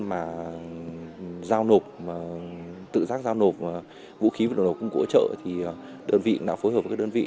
mà tự rác giao nổ vũ khí và nổ cung cụa trợ thì đơn vị đã phối hợp với các đơn vị